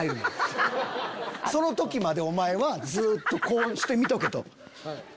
「その時までお前はずっとこうして見とけ」と。